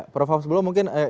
prof hafzul mungkin